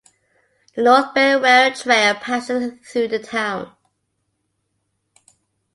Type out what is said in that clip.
The North Bend Rail Trail passes through the town.